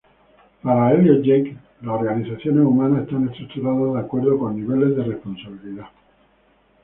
Para Elliot Jaques, las organizaciones humanas están estructuradas de acuerdo con niveles de responsabilidad.